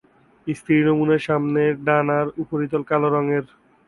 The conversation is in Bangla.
স্ত্রী নমুনায়, সামনের ডানার উপরিতল কালো রঙের।